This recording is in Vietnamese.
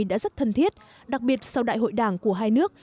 đã rất thân thiết đặc biệt sau đại hội đảng của hai nước